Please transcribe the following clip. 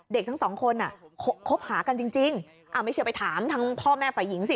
เด็กทั้งสองคนคบหากันจริงไม่เชื่อไปถามทั้งพ่อแม่ฝ่ายหญิงสิ